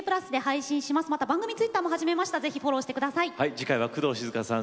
次回は工藤静香さん